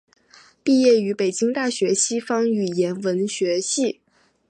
毕业于北京大学西方语言文学系。